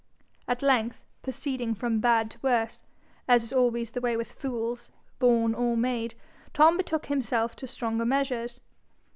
At length, proceeding from bad to worse, as is always the way with fools, born or made, Tom betook himself to stronger measures.